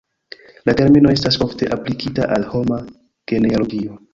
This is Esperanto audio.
La termino estas ofte aplikita al homa genealogio.